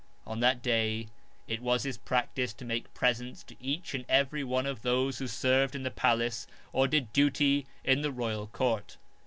On that day it was his practice to make presents to each and every one of those who served in the palace or did duty in the royal court.